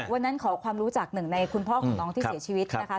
ขอความรู้จักหนึ่งในคุณพ่อของน้องที่เสียชีวิตนะคะ